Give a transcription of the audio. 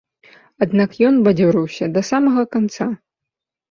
Аднак ён бадзёрыўся да самага канца.